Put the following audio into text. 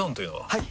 はい！